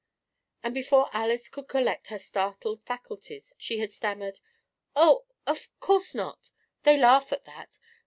And before Alys could collect her startled faculties she had stammered: "Oh, of course, not. They laugh at that.